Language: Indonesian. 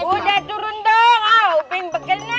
udah turun dong openg pegangin